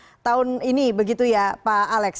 untuk kebenaran tahun ini begitu ya pak alex